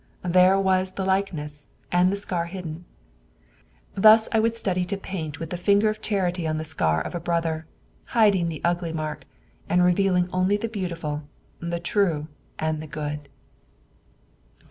There was the likeness, and the scar hidden. Thus I would study to paint with the finger of charity on the scar of a brother, hiding the ugly mark, and revealing only the beautiful, the true and the good.